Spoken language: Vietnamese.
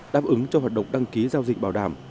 đáp ứng cho hoạt động đăng ký giao dịch bảo đảm